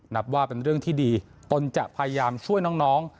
นับว่าเป็นเรื่องที่ดีตนจะพยายามช่วยน้อง